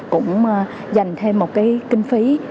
cũng dành thêm một kinh phí